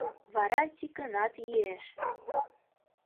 Вара Тикынат йӱэш.